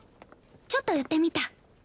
ちょっと寄ってみた。